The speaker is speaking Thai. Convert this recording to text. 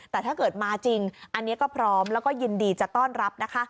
แต่ถ้าเกิดมาจริงอันนี้ก็พร้อมแล้วก็ยินดีจะต้อนรับนะคะ